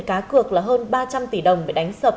cá cược là hơn ba trăm linh tỷ đồng bị đánh sập